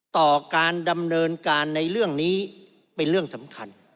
ต่อการดำเนินการในเรื่องนี้เป็นเรื่องสำคัญ